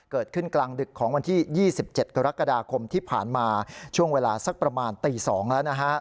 เกิดขึ้นกลางดึกของวันที่๒๗กรกฎาคมที่ผ่านมาช่วงเวลาสักประมาณตี๒แล้วนะฮะ